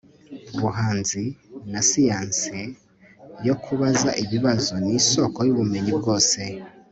ubuhanzi na siyanse yo kubaza ibibazo ni isoko y'ubumenyi bwose